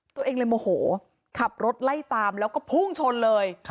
ตัวเองเลยโมโหขับรถไล่ตามแล้วก็พุ่งชนเลย